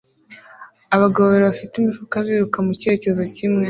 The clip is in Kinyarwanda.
Abagabo babiri bafite imifuka biruka mu cyerekezo kimwe